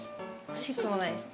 惜しくもないです。